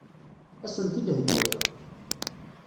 Ad sen-t-id-theggiḍ?